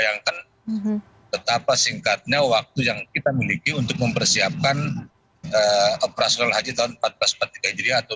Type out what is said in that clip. yang kedua kami juga